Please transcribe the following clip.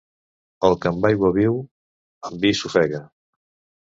El que amb aigua viu, amb vi s'ofega.